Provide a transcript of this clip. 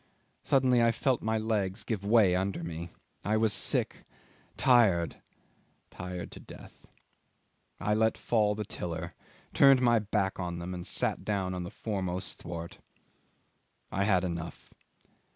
Suddenly I felt my legs give way under me. I was sick, tired tired to death. I let fall the tiller, turned my back on them, and sat down on the foremost thwart. I had enough.